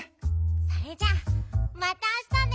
それじゃあまたあしたね。